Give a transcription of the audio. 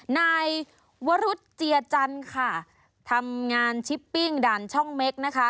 นายวรุษเจียจันทร์ค่ะทำงานชิปปิ้งด่านช่องเม็กนะคะ